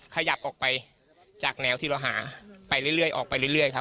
ขยับออกไปจากแนวที่เราหาไปเรื่อยออกไปเรื่อยครับ